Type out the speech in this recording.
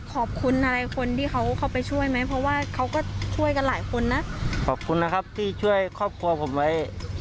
ขอบคุณนะครับที่ช่วยครอบครัวผมไว้